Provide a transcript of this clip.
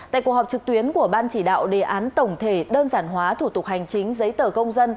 tại cuộc họp trực tuyến của ban chỉ đạo đề án tổng thể đơn giản hóa thủ tục hành chính giấy tờ công dân